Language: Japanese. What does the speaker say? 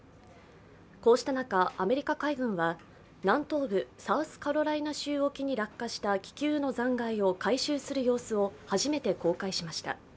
こうした中、アメリカ海軍は南東部サウスカロライナ州沖に落下した気球の残骸を回収する様子を始めて公開しました。